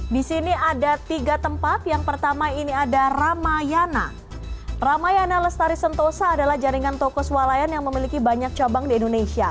di sini ada tiga tempat yang pertama ini ada ramayana ramayana lestari sentosa adalah jaringan toko swalayan yang memiliki banyak cabang di indonesia